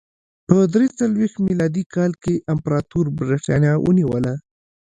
په درې څلوېښت میلادي کال کې امپراتور برېټانیا ونیوله